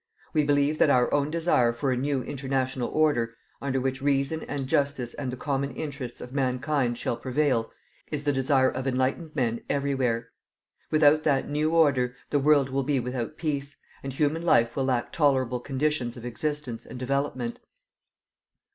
We believe that our own desire for a new international order under which reason and justice and the common interests of mankind shall prevail, is the desire of enlightened men everywhere. Without that new order the world will be without peace, and human life will lack tolerable conditions of existence and development.